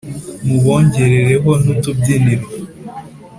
Mubongerereho n'utubyiniriro